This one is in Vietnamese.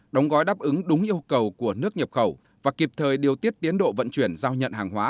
đóng gói đáp ứng đúng yêu cầu của nước nhập khẩu và kịp thời điều tiết tiến độ vận chuyển giao nhận hàng hóa